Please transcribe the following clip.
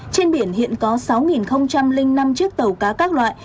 trên biển hiện có sáu năm chiếc tàu cá các loại